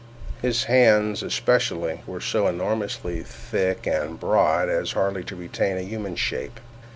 His hands, especially, were so enormously thick and broad as hardly to retain a human shape.